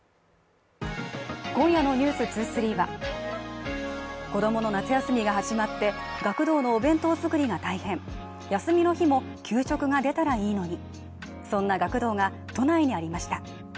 今夜の「ｎｅｗｓ２３」は子供の夏休みが始まって、学童のお弁当作りが大変休みの日も給食が出たらいいのに。